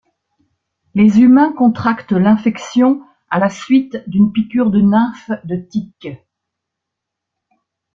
Les humains contractent l'infection à la suite d’une piqûre de nymphes de tique.